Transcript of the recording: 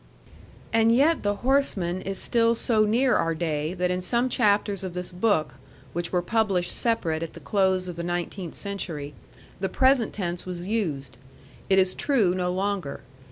And yet the horseman is still so near our day that in some chapters of this book, which were published separate at the close of the nineteenth century, the present tense was used. It is true no longer.